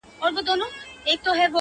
اوس چي سهار دى گراني؛